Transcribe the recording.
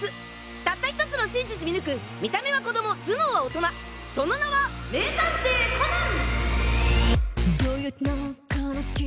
たった１つの真実見抜く見た目は子供頭脳は大人その名は名探偵コナン！